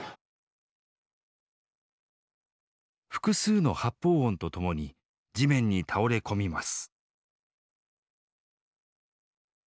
複数の発砲音とともに地面に倒れ込みます。